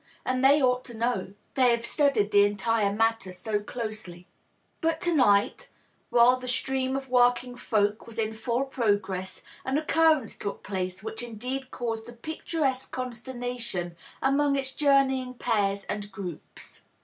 And they ought to know ; they have studied the entire matter so closely. But to night, while the stream of working folk was in fiiU progress, an occurrence took place which indeed caused a picturesque consterna tion among its journeying pairs and groups.